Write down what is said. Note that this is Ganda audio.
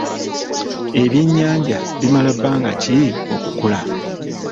Ebyennyanja bimala bbanga ki okukula?